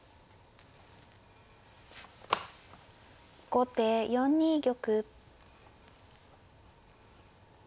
後手４二玉。